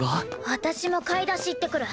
私も買い出し行ってくる。